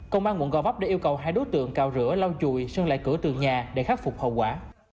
công an quận gò vấp đã yêu cầu hai đối tượng cào rửa lau chùi sơn lại cửa tường nhà để khắc phục hậu quả